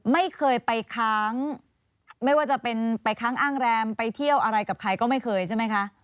ไม่เคยไปค้างไม่ว่าจะเป็นไปค้างอ้างแรมไปเที่ยวอะไรกับใครก็ไม่เคยใช่ไหมคะ